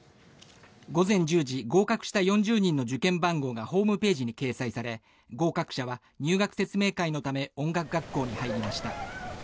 午前１９時合格した４０人の受験番号がホームページに掲載され合格者は入学説明会のため音楽学校に入りました。